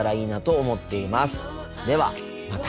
ではまた。